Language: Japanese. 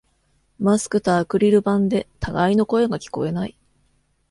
マスクとアクリル板で互いの声が聞こえない